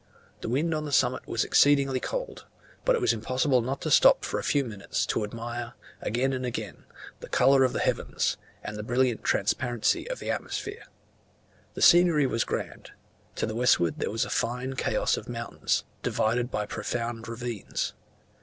The wind on the summit was exceedingly cold, but it was impossible not to stop for a few minutes to admire, again and again, the colour of the heavens, and the brilliant transparency of the atmosphere. The scenery was grand: to the westward there was a fine chaos of mountains, divided by profound ravines.